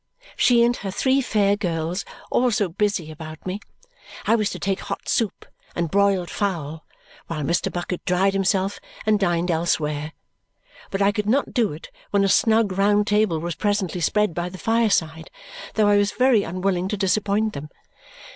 She and her three fair girls, all so busy about me. I was to take hot soup and broiled fowl, while Mr. Bucket dried himself and dined elsewhere; but I could not do it when a snug round table was presently spread by the fireside, though I was very unwilling to disappoint them.